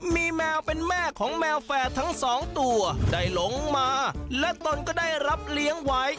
มีแมวเป็นแม่ของแมวแฝดทั้งสองตัวได้หลงมาและตนก็ได้รับเลี้ยงไว้